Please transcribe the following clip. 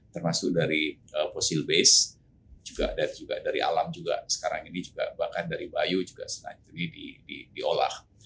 termasuk dari fosil base juga dari alam juga sekarang ini juga bahkan dari bio juga sengaja diolah